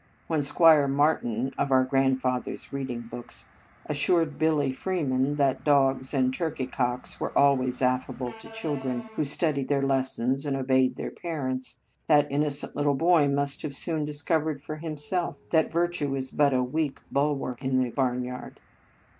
When Squire Martin (of our grandfathers reading books) assured Billy Freeman that dogs and turkey cocks were always affable to children who studied their lessons and obeyed their parents, that innocent little boy must have soon discovered for himself that virtue is but a weak bulwark in the barnyard.